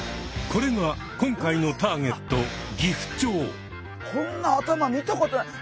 これが今回のターゲットこんな頭見たことない！